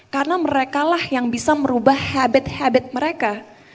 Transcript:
karena mereka yang bisa merubah habit habit mereka